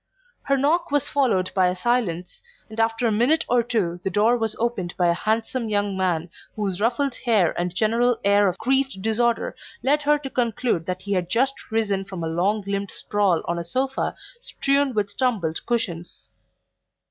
Her knock was followed by a silence, and after a minute or two the door was opened by a handsome young man whose ruffled hair and general air of creased disorder led her to conclude that he had just risen from a long limbed sprawl on a sofa strewn with tumbled cushions.